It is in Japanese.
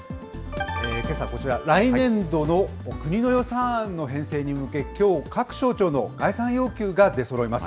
けさはこちら、来年度の国の予算案の編成に向け、きょう各省庁の概算要求が出そろいます。